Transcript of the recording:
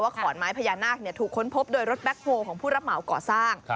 ขอนไม้พญานาคถูกค้นพบโดยรถแบ็คโฮลของผู้รับเหมาก่อสร้าง